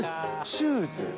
シューズ。